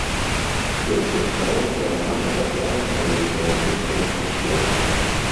З першых старонак раман захапляе сваёй таямнічай атмасферай.